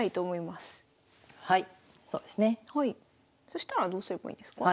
そしたらどうすればいいですか？